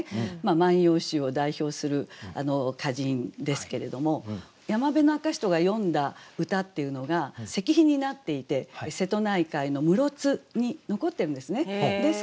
「万葉集」を代表する歌人ですけれども山部赤人が詠んだ歌っていうのが石碑になっていて瀬戸内海の室津に残ってるんですね。